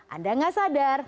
anda nggak sadar